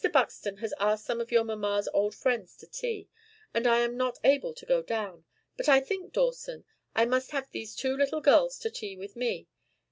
Buxton has asked some of your mamma's old friends to tea, as I am not able to go down. But I think, Dawson, I must have these two little girls to tea with me.